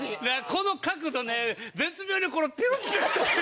この角度ね絶妙にピョロピョロって。